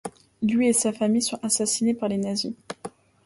Lui et sa famille sont assassinés par les nazis.